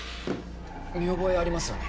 見覚えありますよね？